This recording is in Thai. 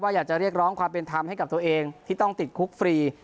อยากจะเรียกร้องความเป็นธรรมให้กับตัวเองที่ต้องติดคุกฟรี